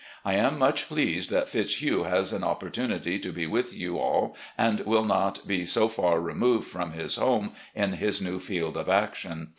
I am much pleased that Fitzhugh has an opportunity to be with you all and will not be so far removed from his home in his new field of action.